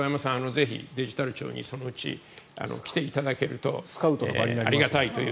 ぜひデジタル庁にそのうち来ていただけるとありがたいという。